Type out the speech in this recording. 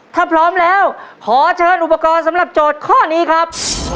ถ้าพร้อมแล้วขอเชิญอุปกรณ์สำหรับโจทย์ข้อนี้ครับ